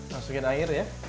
masukkan air ya